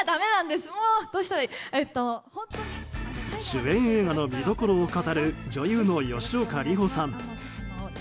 主演映画の見どころを語る女優の吉岡里帆さん。